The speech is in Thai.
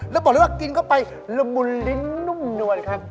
แล้วบอกเลยว่ากินเข้าไปละมุนลิ้นนุ่มนวลครับ